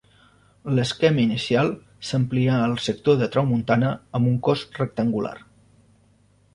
L'esquema inicial s'amplià al sector de tramuntana amb un cos rectangular.